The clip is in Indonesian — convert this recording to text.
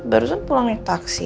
baru saja pulang dari taksi